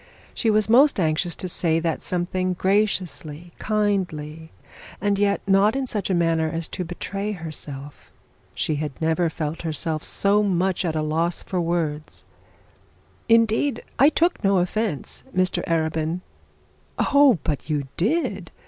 She was most anxious to say that something graciously, kindly, and yet not in such a manner as to betray herself. She had never felt herself so much at a loss for words. 'Indeed I took no offence, Mr Arabin.' 'Oh, but you did!